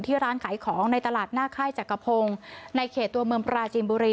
ร้านขายของในตลาดหน้าค่ายจักรพงศ์ในเขตตัวเมืองปราจีนบุรี